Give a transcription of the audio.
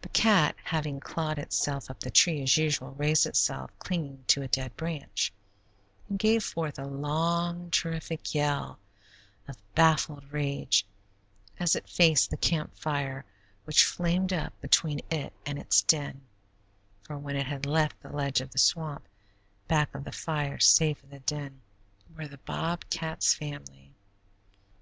The cat, having clawed itself up the tree, as usual, raised itself, clinging to a dead branch, and gave forth a long, terrific yell of baffled rage as it faced the camp fire, which flamed up between it and its den, for when it had left the ledge for the swamp, back of that fire, safe in the den were the bobcat's family.